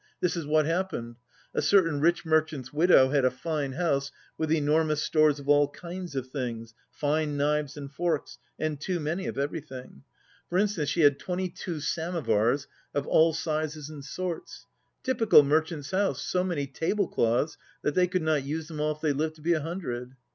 "This is what happened A certain rich merchant's widow had a fine house, with enormous stores of all kinds of things, fine knives and forks, and too many of everything. For instance, she had twenty two samovars of all sizes and sorts. Typical mer chant's house, so many tablecloths that they could not use them all if they lived to be a hundred.